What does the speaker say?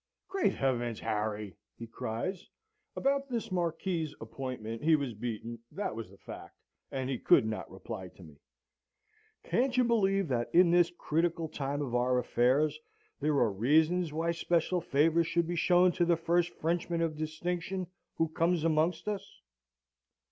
"'Great heavens, Harry!' he cries (about this Marquis's appointment he was beaten, that was the fact, and he could not reply to me), 'can't you believe that in this critical time of our affairs, there are reasons why special favours should be shown to the first Frenchman of distinction who comes amongst us?'